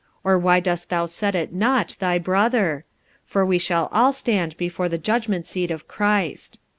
or why dost thou set at nought thy brother? for we shall all stand before the judgment seat of Christ.